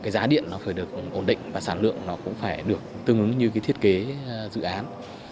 giá điện phải được ổn định và sản lượng cũng phải được tương ứng như thiết kế dự án